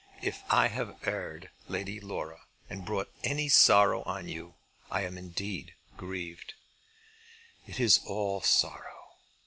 "If I have erred, Lady Laura, and brought any sorrow on you, I am indeed grieved." "It is all sorrow.